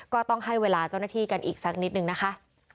ก็ต้องให้เวลาเจ้าหน้าที่กันอีกสักนิดนึงนะคะ